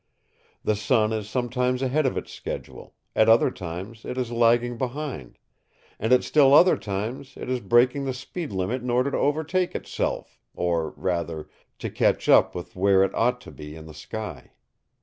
The sun is sometimes ahead of its schedule; at other times it is lagging behind; and at still other times it is breaking the speed limit in order to overtake itself, or, rather, to catch up with where it ought to be in the sky.